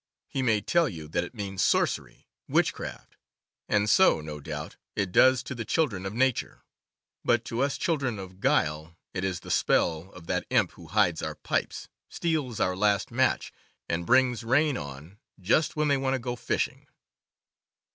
He may tell you that it means sor cery, witchcraft — and so, no doubt, it does to the chil dren of nature; but to us children of guile it is the spell of that imp who hides our pipes, steals our last match, and brings rain on the just when they want to go fishing.)